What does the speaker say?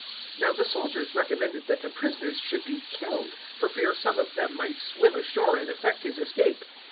027:042 Now the soldiers recommended that the prisoners should be killed, for fear some one of them might swim ashore and effect his escape.